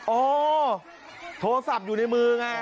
โอ้โทรศัพท์อยู่ในมือไง